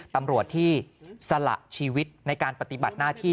ตำรวจที่สละชีวิตในการปฏิบัติหน้าที่